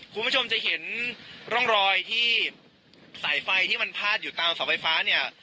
คุณผู้ชมจะเห็นร่องรอยที่สายไฟที่มันพาดอยู่ตามเสาไฟฟ้าเนี่ย